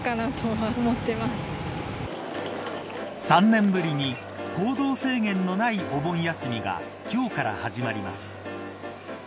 ３年ぶりに行動制限のないお盆休みが今日から始まります。